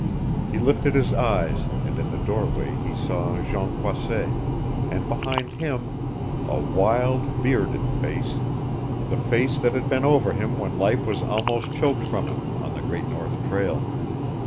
He lifted his eyes, and in the doorway he saw Jean Croisset, and behind him a wild, bearded face the face that had been over him when life was almost choked from him on the Great North Trail.